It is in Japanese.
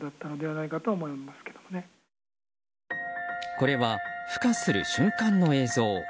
これは、ふ化する瞬間の映像。